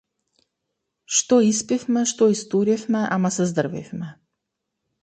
Што испивме, што истуривме, ама се здрвивме.